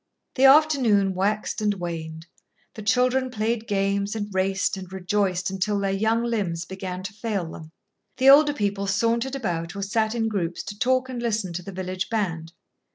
The afternoon waxed and waned. The children played games and raced and rejoiced until their young limbs began to fail them. The older people sauntered about or sat in groups to talk and listen to the village band.